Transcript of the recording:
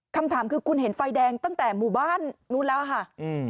คำถามคือคุณเห็นไฟแดงตั้งแต่หมู่บ้านนู้นแล้วค่ะอืม